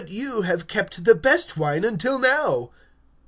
Thou hast kept the good wine until now.